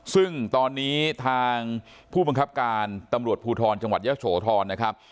ซึ่งตอนนี้ทางผู้บังคับการตำรวจภูทรจังหวัดเยอะโสธรนะครับ